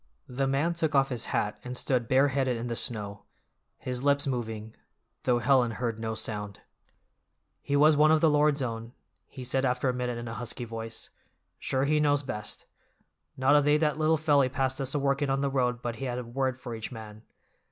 The man took off his hat and stood bare headed in the snow, his lips moving, though Helen heard no sound. "He was one of the Lord's own," he said after a minute in a husky voice. "Sure He knows best. Not a day that little felly passed us a workin' on the road but he had a word for each man!